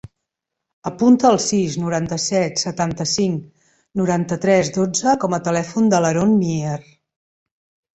Apunta el sis, noranta-set, setanta-cinc, noranta-tres, dotze com a telèfon de l'Haron Mier.